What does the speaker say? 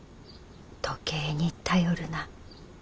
時計に頼るな。